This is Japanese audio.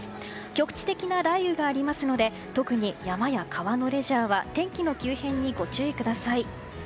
局地的な雷雨がありますので特に山や川のレジャーは天気の急変にご注意ください。